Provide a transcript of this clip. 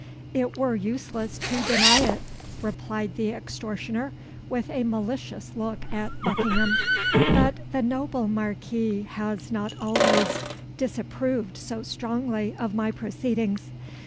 "It were useless to deny it," replied the extortioner, with a malicious look at Buckingham; "but the noble Marquis has not always disapproved so strongly of my proceedings.